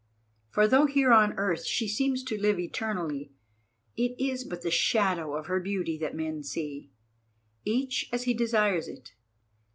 For though here on earth she seems to live eternally, it is but the shadow of her beauty that men see—each as he desires it.